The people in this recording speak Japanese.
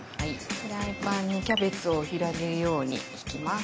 フライパンにキャベツを広げるようにひきます。